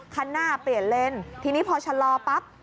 คันหน้าเปลี่ยนเลนทีนี้พอชะลอปั๊บ